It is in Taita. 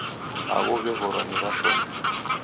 Agho gheghorwa ni w'ashomi.